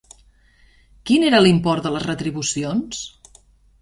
Quin era l'import de les retribucions?